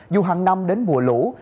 dù hàng năm đến mùa lũ